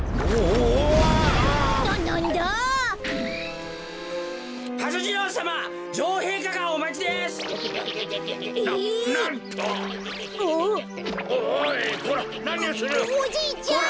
おおじいちゃん！